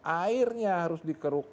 airnya harus dikeruk